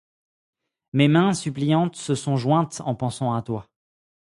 mes mains suppliantes se sont jointes en pensant à toi.